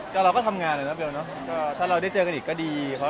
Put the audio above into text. แสวได้ไงของเราก็เชียนนักอยู่ค่ะเป็นผู้ร่วมงานที่ดีมาก